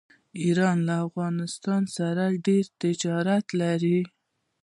ایران له افغانستان سره ډیر تجارت لري.